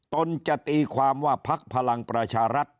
ตนจะตีความว่าพักพลังประชารัฐ